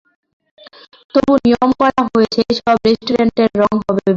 তবু নিয়ম করা হয়েছে সব রেস্টুরেন্টের রঙ হবে বেগুনি।